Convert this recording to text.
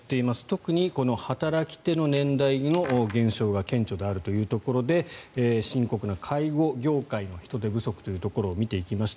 特に働き手の年代の減少が顕著であるというところで深刻な、介護業界の人手不足というところを見てきました。